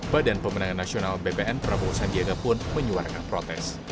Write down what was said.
badan pemenangan nasional bpn prabowo sandiaga pun menyuarakan protes